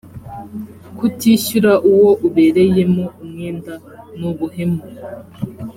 kutishyura uwo ubereyemo umwenda ni ubuhemu